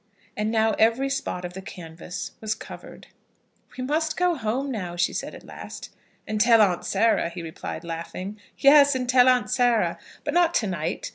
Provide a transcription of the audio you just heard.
And now every spot of the canvas was covered. "We must go home now," she said at last. "And tell Aunt Sarah," he replied, laughing. "Yes, and tell Aunt Sarah; but not to night.